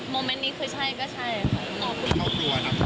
โมเมนต์นี้คือใช่ก็ใช่